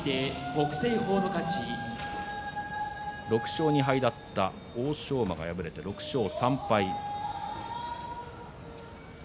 ６勝２敗だった欧勝馬が敗れて６勝３敗。